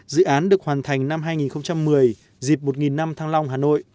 dự án được hoàn thành năm hai nghìn một mươi dịp một năm tháng năm hà nội